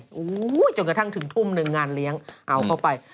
โอ้โหจนกระทั่งถึงทุ่มหนึ่งงานเลี้ยงเอาเข้าไป